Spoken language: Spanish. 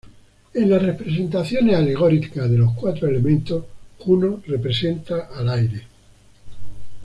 En las representaciones alegóricas de los cuatro elementos, Juno representa al aire.